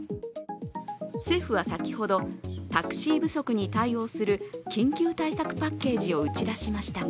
政府は先ほど、タクシー不足に対応する緊急対策パッケージを打ち出しましたが